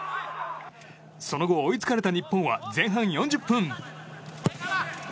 その後、追いつかれた日本は前半４０分。